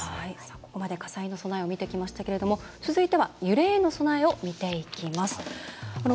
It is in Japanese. ここまで「火災への備え」を見てきましたが続いては揺れへの備えを見ていきます。